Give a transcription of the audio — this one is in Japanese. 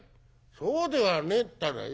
「そうではねえったらよぅ。